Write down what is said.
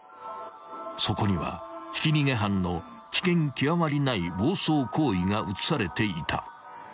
［そこにはひき逃げ犯の危険極まりない暴走行為が写されていた］